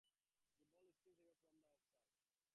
The ball spins "away" from the off side.